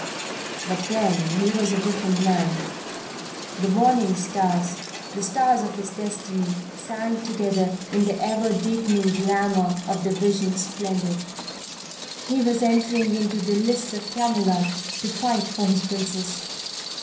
But then he was a different man. The morning stars, the stars of his destiny, sang together in the ever deepening glamour of the Vision Splendid. He was entering into the lists of Camelot to fight for his Princess.